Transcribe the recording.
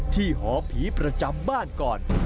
หอผีประจำบ้านก่อน